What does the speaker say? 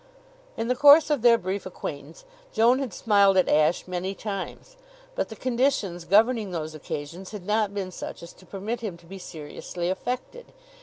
In the course of their brief acquaintance Joan had smiled at Ashe many times, but the conditions governing those occasions had not been such as to permit him to be seriously affected.